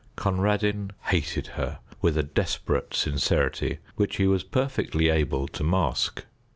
Conradin hated her with a desperate sincerity which he was perfectly able to mask.